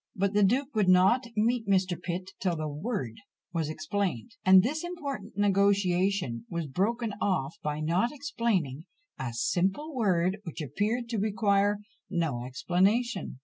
But the duke would not meet Mr. Pitt till the word was explained; and this important negotiation was broken off by not explaining a simple word which appeared to require no explanation.